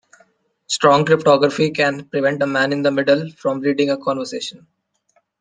Strong cryptography can prevent a man in the middle from reading a conversation.